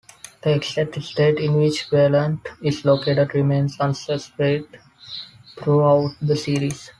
The exact state in which Bryland is located remains unspecified throughout the series.